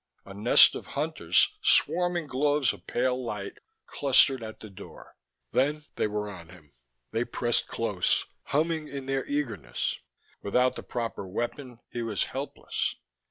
A nest of Hunters, swarming globes of pale light, clustered at the door. Then they were on him. They pressed close, humming in their eagerness. Without the proper weapon he was helpless.